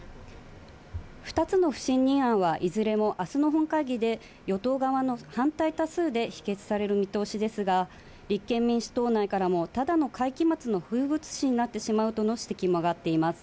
２つの不信任案はいずれもあすの本会議で、与党側の反対多数で否決される見通しですが、立憲民主党内からもただの会期末の風物詩になってしまうとの指摘も上がっています。